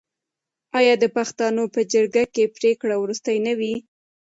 آیا د پښتنو په جرګه کې پریکړه وروستۍ نه وي؟